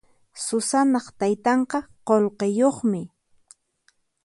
Susanaq taytanqa qullqiyuqmi.